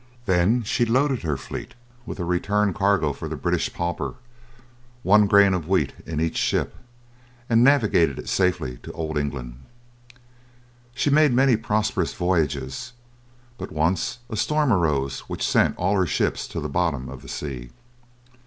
Then she loaded her fleet with a return cargo for the British pauper, one grain of wheat in each ship, and navigated it safely to Old England. She made many prosperous voyages, but once a storm arose which sent all her ships to the bottom of the sea.